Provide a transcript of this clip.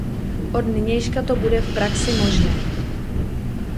Od nynějška to bude v praxi možné.